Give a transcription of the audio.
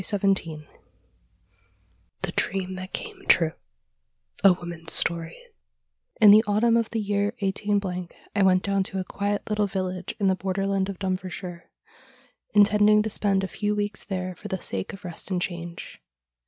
215 XVII THE DREAM THAT CAME TRUE A WOMAN'S STOKY In the autumn of the year 18 — I went clown to a quiet little village in the borderland of Dumfriesshire, intending to spend a few weeks there for the sake of rest and change.